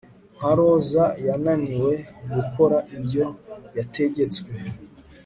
Nka roza yananiwe gukora ibyo yategetswe